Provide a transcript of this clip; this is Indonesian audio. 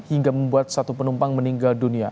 hingga membuat satu penumpang meninggal dunia